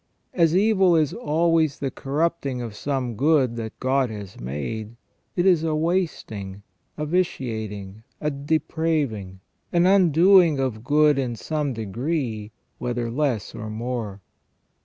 As evil is always the corrupting of some good that God has made, it is a wasting, a vitiating, a depraving, an undoing of good in some degree, whether less or more.